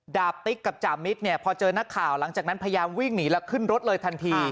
ติ๊กกับจ่ามิตรเนี่ยพอเจอนักข่าวหลังจากนั้นพยายามวิ่งหนีแล้วขึ้นรถเลยทันที